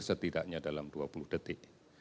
setidaknya dalam dua puluh detik